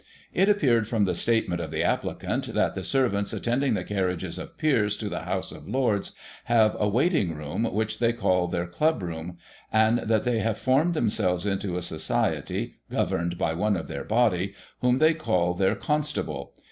It appeared from the statement of the applicant, that the servants attending the carriages of peers, to the House of Lords, have a waiting room, which they call their Club room, and that they have formed themselves into a society, governed by one of their body, whom they call their " Constable.